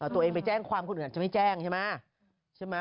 ตัวเองไปแจ้งความคนอื่นอีกจะไม่แจ้งใช่มั้ย